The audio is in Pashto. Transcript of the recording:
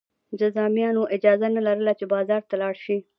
جذامیانو اجازه نه لرله چې بازار ته لاړ شي.